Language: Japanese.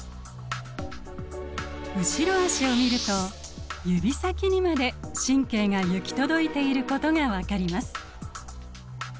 後ろ足を見ると指先にまで神経が行き届いていることが分かります。